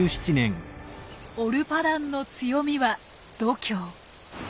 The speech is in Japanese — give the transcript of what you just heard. オルパダンの強みは度胸。